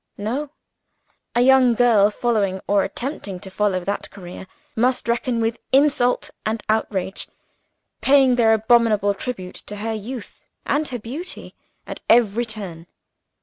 No! A young girl following, or attempting to follow, that career, must reckon with insult and outrage paying their abominable tribute to her youth and her beauty, at every turn.